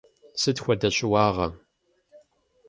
Сыт хуэдэ щыуагъэ?